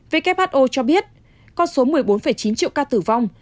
who cho biết con số một mươi bốn chín triệu ca tử vong